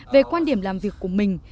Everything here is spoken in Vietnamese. về quan điểm làm việc của mình